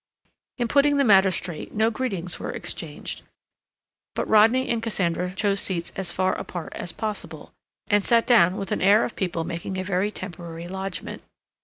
In putting the matter straight no greetings were exchanged, but Rodney and Cassandra chose seats as far apart as possible, and sat down with an air of people making a very temporary lodgment.